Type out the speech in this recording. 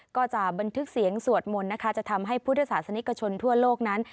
ก็จะบันทึกเสียงสวดมนต์นะคะจะทำให้พุทธศาสนิกชนทั่วโลกนั้น